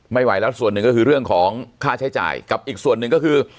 ไม่ไหวแล้วส่วนหนึ่งก็คือเรื่องของค่าใช้จ่ายกับอีกส่วนหนึ่งก็คือ